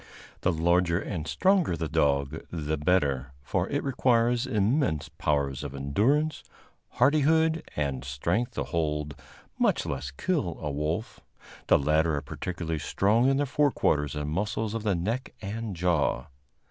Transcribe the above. The larger and stronger the dog, the better; for it requires immense powers of endurance, hardihood and strength to hold, much less kill, a wolf. The latter are particularly strong in the fore quarters and muscles of the neck and jaw.